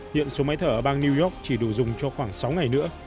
hiện số máy thở ở bang new york chỉ đủ dùng cho khoảng sáu ngày nữa